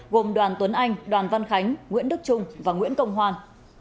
gồm đoàn tuấn anh đoàn văn khánh nguyễn đức trung và nguyễn công hoan